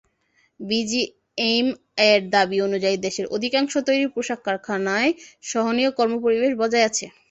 বিজিএমইএর দাবি অনুযায়ী, দেশের অধিকাংশ তৈরি পোশাক কারখানায় সহনীয় কর্মপরিবেশ বজায় আছে।